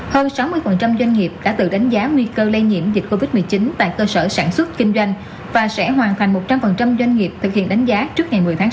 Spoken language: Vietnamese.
hơn sáu mươi doanh nghiệp đã tự đánh giá nguy cơ lây nhiễm dịch covid một mươi chín tại cơ sở sản xuất kinh doanh và sẽ hoàn thành một trăm linh doanh nghiệp thực hiện đánh giá trước ngày một mươi tháng sáu